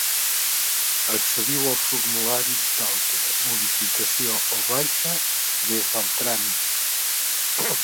Accediu als formularis d'alta, modificació o baixa des del tràmit.